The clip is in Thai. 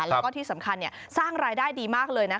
แล้วก็ที่สำคัญสร้างรายได้ดีมากเลยนะคะ